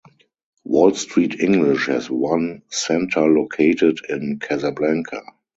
Wall Street English has one center located in Casablanca.